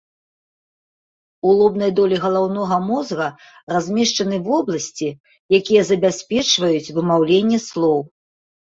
У лобнай долі галаўнога мозга размешчаны вобласці, якія забяспечваюць вымаўленне слоў.